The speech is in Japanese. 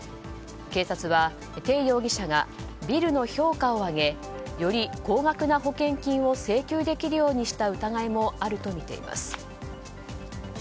警察は、テイ容疑者がビルの評価を上げより高額な保険金を請求できるようにした疑いもあるとみています。